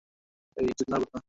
হেই, চোদনার বদনা।